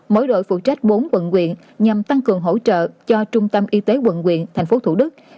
mỗi đội phụ trách bốn quận quyện nhằm tăng cường hỗ trợ cho trung tâm y tế quận quyện tp thủ đức